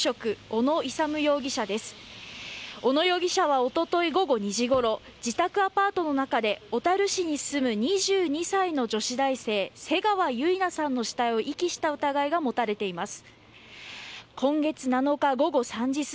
小野容疑者は一昨日午後２時ごろ自宅アパートの中で小樽市に住む２２歳の女子大生瀬川結菜さんの死体を遺棄した疑いが持たれています。